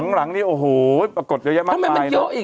หลังนี่โอ้โหปรากฏเยอะมากหน่อย